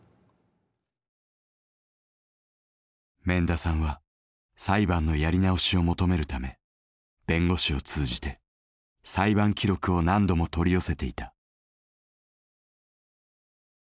免田さんは裁判のやり直しを求めるため弁護士を通じて裁判記録を何度も取り寄せていた。